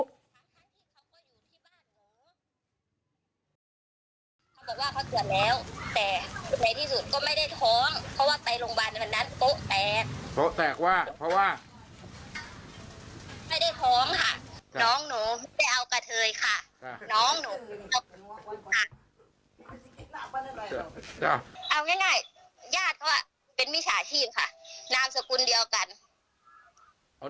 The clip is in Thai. เขาบอกว่าเขาเกิดแล้วแตก